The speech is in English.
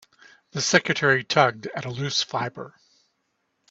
The secretary tugged at a loose fibre.